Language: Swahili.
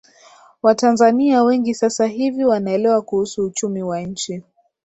Watanzania wengi sasa hivi wanaelewa kuhusu uchumi wa nchi